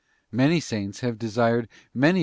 '{ Many Saints have desired * Pei.